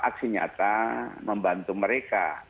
aksi nyata membantu mereka